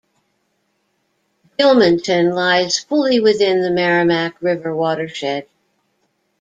Gilmanton lies fully within the Merrimack River watershed.